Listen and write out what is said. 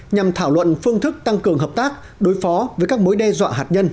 nhằm thảo luận phương thức tăng cường hợp tác đối phó với các mối đe dọa hạt nhân